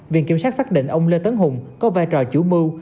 viện kiểm sát xác định ông lê tấn hùng có vai trò chủ mưu